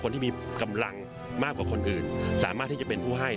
คนที่มีกำลังมากกว่าคนอื่นสามารถที่จะเป็นผู้ให้